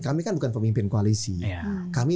kami kan bukan pemimpin koalisi kami